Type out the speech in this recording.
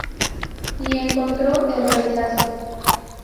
Y encontró el rechazo.